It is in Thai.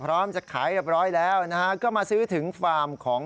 พร้อมจะขายเรียบร้อยแล้วนะฮะก็มาซื้อถึงฟาร์มของ